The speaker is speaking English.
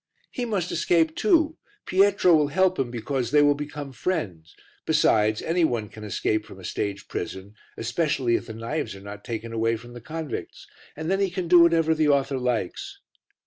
"He must escape too, Pietro will help him because they will become friends; besides, any one can escape from a stage prison, especially if the knives are not taken away from the convicts. And then he can do whatever the author likes.